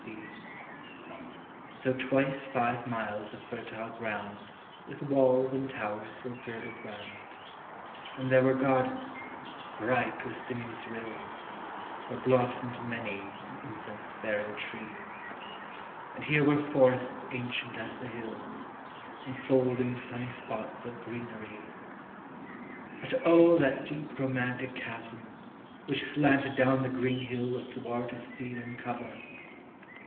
163 So twice five miles of fertile ground With walls and towers were girdled round ; And there were gardens, bright with sinuous rills, Where blossomed many an incense bearing tree ; And here were forests ancient as the hills, Infolding sunny spots of greenery. But O that deep romantic chasm, which slanted Down the green hill athwart a cedarn cover